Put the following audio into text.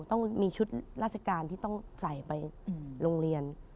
ต้องมีชุดราชการที่ต้องใส่ไปโรงเรียน